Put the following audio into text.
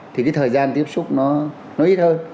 thì cái thời gian tiếp xúc nó ít hơn